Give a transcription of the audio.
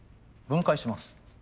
分解します。